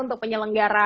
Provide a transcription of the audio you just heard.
untuk penyelenggara acara